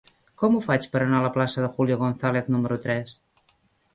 Com ho faig per anar a la plaça de Julio González número tres?